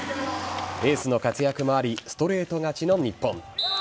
エースの活躍もありストレート勝ちの日本。